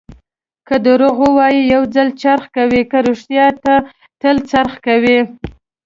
که دروغ ووایې، یو ځل خرڅ کوې؛ که رښتیا، تل خرڅ کوې.